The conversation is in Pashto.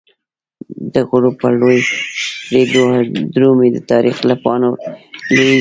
دغروب په لوری درومی، د تاریخ له پاڼو لویږی